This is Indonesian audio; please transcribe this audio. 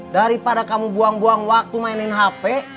daripada kamu buang buang waktu mainin hp